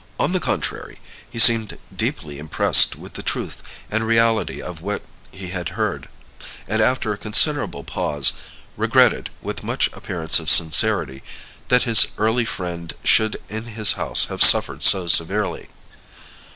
On the contrary he seemed deeply impressed with the truth and reality of what he had heard; and, after a considerable pause, regretted, with much appearance of sincerity, that his early friend should in his house have suffered so severely.